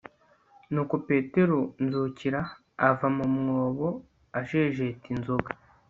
nuko petero nzukira ava mu mwobo ajejeta inzoga